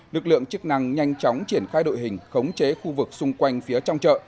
lực lượng chức năng nhanh chóng triển khai đội hình khống chế khu vực xung quanh phía trong chợ